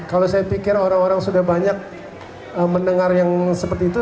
kalau saya pikir orang orang sudah banyak mendengar yang seperti itu